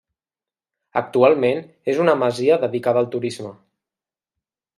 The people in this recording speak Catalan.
Actualment és una masia dedicada al turisme.